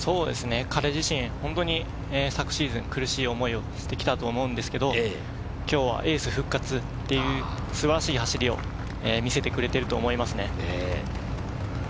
彼自身、本当に昨シーズン、苦しい思いをしてきたと思うんですけど、今日はエース復活、素晴らしい走りを見せてくれていると思いますね。